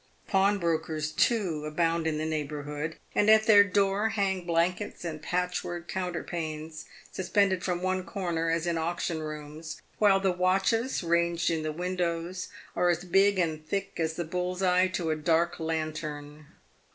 Pawnbrokers, too, abound in the neighbourhood; and at their door hang blankets and patchwork coun terpanes, suspended from one corner, as in auction rooms, while the watches, ranged in the windows, are as big and thick as the bull's eye to a dark lantern.